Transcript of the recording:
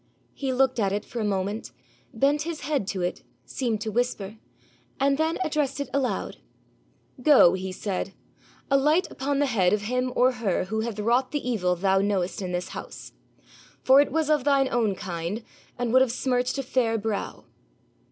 He looked at it for a moment, bent his head to it, seemed to whisper, and then addressed it aloud. 'Go,' he said, 'alight upon the head of him or of her who hath wrought the evil thou knowest in this house. For it was of thine own kind, and would have smirched a fair brow.'